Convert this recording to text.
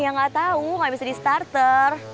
ya nggak tahu nggak bisa di starter